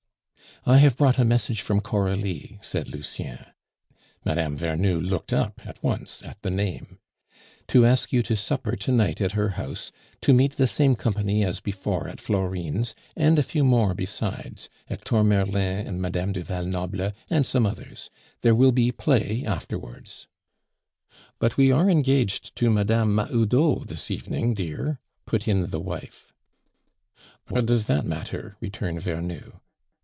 "I have brought a message from Coralie," said Lucien (Mme. Vernou looked up at once at the name), "to ask you to supper to night at her house to meet the same company as before at Florine's, and a few more besides Hector Merlin and Mme. du Val Noble and some others. There will be play afterwards." "But we are engaged to Mme. Mahoudeau this evening, dear," put in the wife. "What does that matter?" returned Vernou.